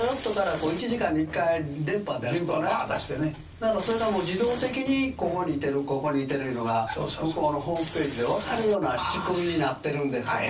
だからそれがもう自動的にここにいてるここにいてるいうのが向こうのホームページで分かるような仕組みになってるんですよね。